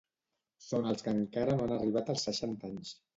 Són els que encara no han arribat als seixanta anys.